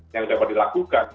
yang dapat dilakukan